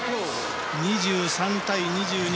２３対２２。